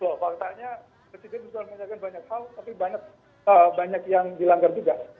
wah maksudnya presiden sudah menyampaikan banyak hal tapi banyak yang dilanggar juga